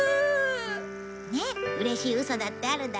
ねっうれしいウソだってあるだろ？